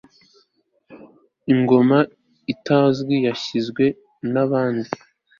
Ingoma itazwi yashinzwe nabande